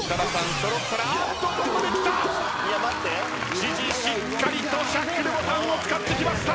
知事しっかりとシャッフルボタンを使ってきました。